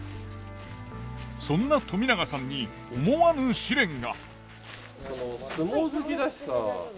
そんな冨永さんに思わぬ試練が。